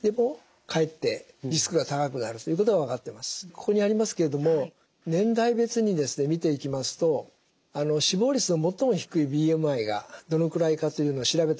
ここにありますけれども年代別に見ていきますと死亡率の最も低いＢＭＩがどのくらいかというのを調べたデータがあるんですね。